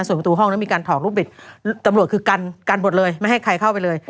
ส่วนประตูห้องมีการถอกรูปปิดตำรวจคือกันบดเลยไม่ให้ใครเข้าไปเลย